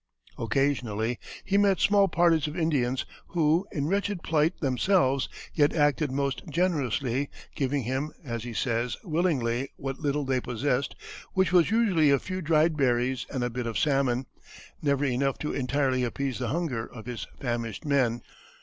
Occasionally he met small parties of Indians, who, in wretched plight themselves, yet acted most generously, giving him, as he says, willingly what little they possessed, which was usually a few dried berries and a bit of salmon, never enough to entirely appease the hunger of his famished men.